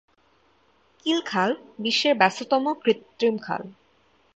কিল খাল বিশ্বের ব্যস্ততম কৃত্রিম খাল।